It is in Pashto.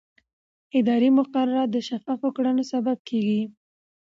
اداري مقررات د شفافو کړنو سبب کېږي.